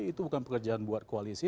itu bukan pekerjaan buat koalisi